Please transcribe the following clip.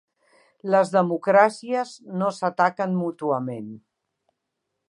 Les democràcies no s'ataquen mútuament.